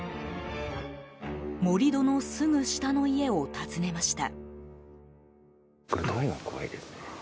盛り土のすぐ下の家を訪ねました。